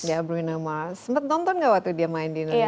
ya bruno mars sempet nonton gak waktu dia main di indonesia